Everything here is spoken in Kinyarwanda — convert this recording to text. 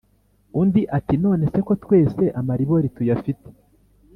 Undi ati"nonese ko twese amaribori tuyafite